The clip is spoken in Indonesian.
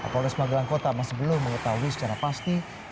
polri resor magelang kota masih belum mengetahui secara pasti